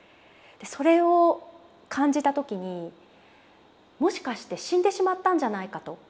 それを感じた時にもしかして死んでしまったんじゃないかと一瞬思ったんです。